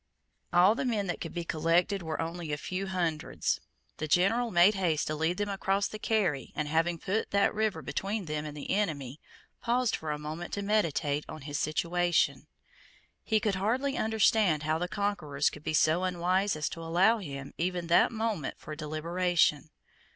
All the men that could be collected were only a few hundreds. The general made haste to lead them across the Carry, and, having put that river between them and the enemy, paused for a moment to meditate on his situation. He could hardly understand how the conquerors could be so unwise as to allow him even that moment for deliberation.